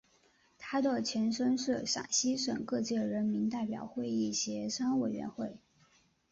它的前身是陕西省各界人民代表会议协商委员会。